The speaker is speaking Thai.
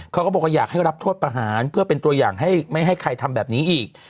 เขาก็บอกว่าอยากให้รับโทษประหารเพื่อเป็นตัวอย่างให้ไม่ให้ใครทำแบบนี้อีก